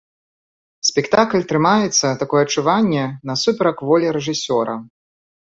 Спектакль трымаецца, такое адчуванне, насуперак волі рэжысёра.